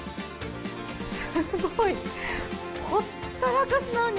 すごい。